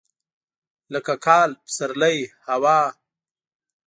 لکه کال، پسرلی، هوا.